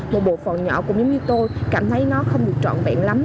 một bộ phần nhỏ cũng như tôi cảm thấy nó không được trọn vẹn lắm